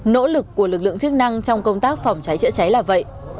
nỗ lực của lực lượng chức năng trong công tác phòng cháy chữa cháy là vậy